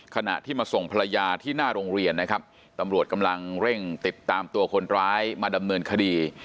ขณะที่มาส่งภรรยาที่หน้าโรงเรียนนะครับตำรวจกำลังเร่งติดตามตัวคนร้ายมาดำเนินคดี